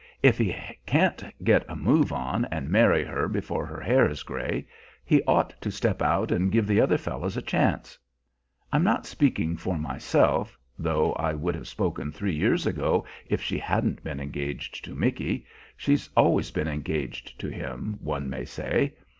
If he can't get a move on and marry her before her hair is gray, he ought to step out and give the other fellows a chance. I'm not speaking for myself, though I would have spoken three years ago if she hadn't been engaged to Micky she's always been engaged to him, one may say.